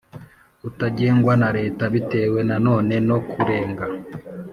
Utagengwa na leta bitewe nanone no kurenga